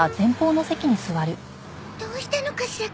どうしたのかしら？